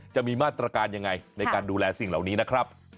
จะมีมาตรการยังไงในการดูแลสิ่งเหล่านี้นะครับ